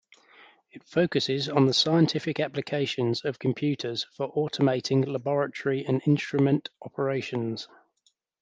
It focuses on the scientific applications of computers for automating laboratory and instrument operations.